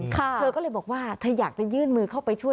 เธอก็เลยบอกว่าเธออยากจะยื่นมือเข้าไปช่วย